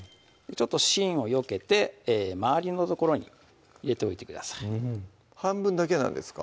ちょっと芯をよけて周りの所に入れておいてください半分だけなんですか？